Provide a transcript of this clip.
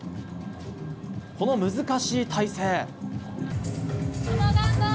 この難しい体勢。